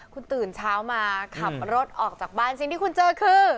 คุณตื่นเช้ามาขับรถออกจากบ้านสิ่งที่คุณเจอคือ